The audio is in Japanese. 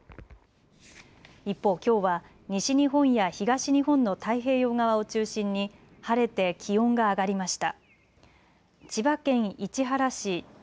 一方、きょうは西日本や東日本の太平洋側を中心に晴れて気温が上がりました。